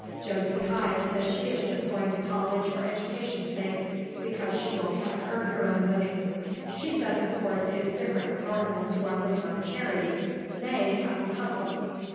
Josie Pye says she is just going to college for education's sake, because she won't have to earn her own living; she says of course it is different with orphans who are living on charity they have to hustle.